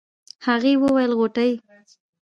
هغې وويل غوټۍ.